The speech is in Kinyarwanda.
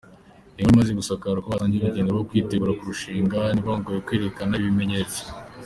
Inkuru imaze gusakara ko batangiye urugendo rwo kwitegura kurushinga, ntibongeye kwerekana ibi bimenyetso.